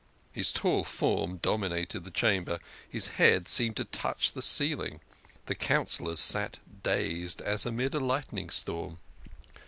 His tall form dominated the chamber, his head seemed to touch the ceiling. The Councillors sat dazed as amid a lightning storm.